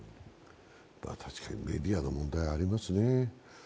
確かにメディアの問題はありますね。